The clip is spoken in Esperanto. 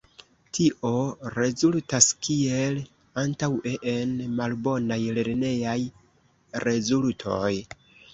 Tio rezultas kiel antaŭe en malbonaj lernejaj rezultoj.